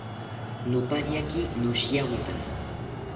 Nopariaki noshiawita